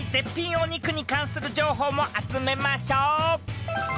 お肉に関する情報も集めましょう笋